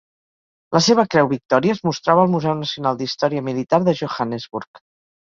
La seva Creu Victòria es mostrava al Museu Nacional d'Història Militar de Johannesburg.